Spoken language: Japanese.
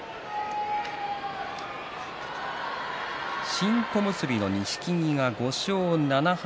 新小結の錦木が５勝７敗。